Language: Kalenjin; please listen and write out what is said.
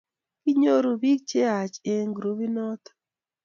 Kinyoru biik che yaach eng' grupinoi